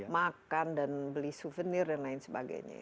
makan dan beli souvenir dan lain sebagainya